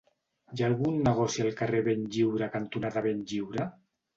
Hi ha algun negoci al carrer Benlliure cantonada Benlliure?